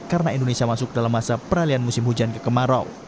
karena indonesia masuk dalam masa peralian musim hujan ke kemarau